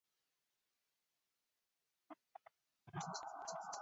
They were big as billboards obsessive and completely unapologetic.